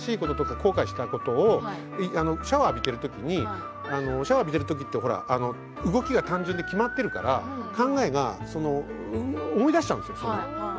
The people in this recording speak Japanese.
後悔したことシャワーを浴びているときにシャワーを浴びてるときは動きが単純で、決まっているから思い出しちゃうんですよ。